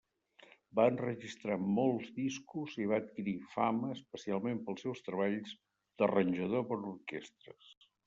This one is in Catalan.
Va enregistrar molts discos i va adquirir fama especialment pels seus treballs d'arranjador per orquestres.